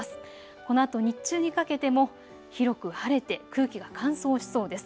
このあと日中にかけても広く晴れて空気が乾燥しそうです。